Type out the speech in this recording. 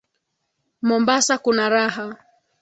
Mombasa kuna raha.